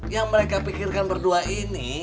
yang mereka pikirkan berdua ini